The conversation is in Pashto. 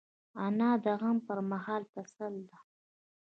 انا د غم پر مهال تسل ده